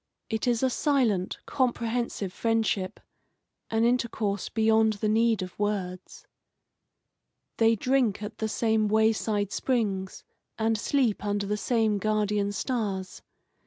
It is a silent, comprehensive friendship, an intercourse beyond the need of words. They drink at the same way side springs, and sleep under the same guardian stars.